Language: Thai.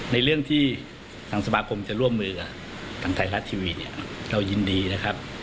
ในเรื่องที่ทางสมาคมจะร่วมมือกับทางไทยรัฐทีวีเนี่ยเรายินดีนะครับ